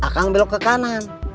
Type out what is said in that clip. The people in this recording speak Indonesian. kang belok ke kanan